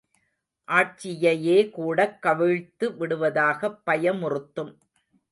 ஆட்சியையே கூடக் கவிழ்த்து விடுவதாகப் பயமுறுத்தும்.